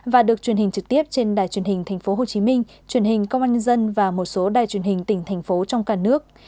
và được truyền hình trực tiếp trên đài truyền hình tp hcm truyền hình công an nhân dân và một số đài truyền hình tỉnh thành phố trong cả nước